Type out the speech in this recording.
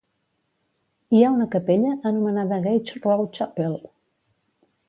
Hi ha una capella, anomenada Gage Road Chapel.